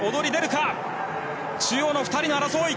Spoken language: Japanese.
中央の２人の争い。